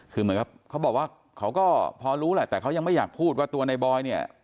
คือเหมือนกับเขาบอกว่าเขาก็พอรู้แหละแต่เขายังไม่อยากพูดว่าตัวในบอยเนี่ย